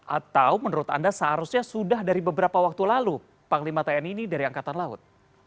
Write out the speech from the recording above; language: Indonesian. atau menurut anda seharusnya sudah dari beberapa waktu lalu panglima tni ini dari angkatan laut